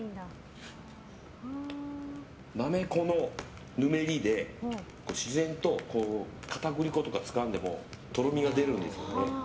なめこのぬめりで自然と片栗粉とか使わんでもとろみが出るんですよね。